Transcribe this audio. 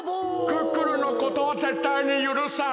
クックルンのことはぜったいにゆるさん！